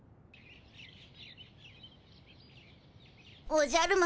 おじゃる丸